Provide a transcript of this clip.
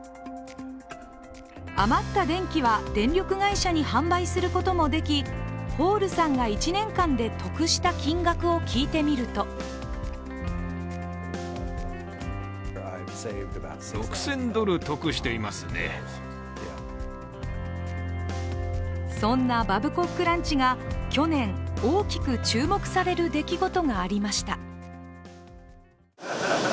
余った電気は電力会社に販売することもできホールさんが１年間で得した金額を聞いてみるとそんなバブコックランチが去年、大きく注目される出来事がありました。